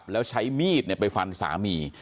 แล้วใช้มีดไปฟันสามี